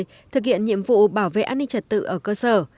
thực hiện nhiệm vụ bảo vệ an ninh trật tự ở cơ sở